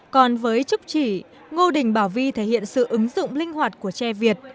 còn với trúc trì ngô đình bảo vi thể hiện sự ứng dụng linh hoạt của che việt